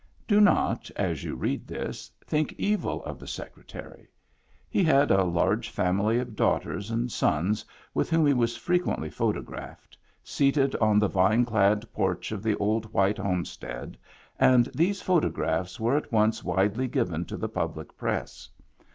Do not, as you read this, think evil of the Secretary ; he had a large family of daughters and sons with whom he was frequently photographed, seated on the vine clad porch of the old white homestead, and these photographs were at once widely given to the public press.